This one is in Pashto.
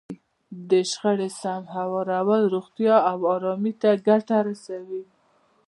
د شخړې سم هوارول روغتیا او ارامۍ ته ګټه رسوي.